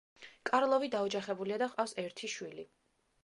კარლოვი დაოჯახებულია და ჰყავს ერთი შვილი.